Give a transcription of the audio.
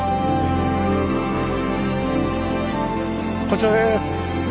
こちらです。